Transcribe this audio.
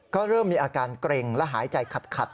ก็เริ่มมีอาการเกร็งและหายใจขัด